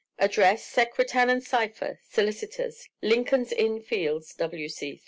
Address Secretan & Sypher, Solicitors, Lincoln's Inn Fields, W.C.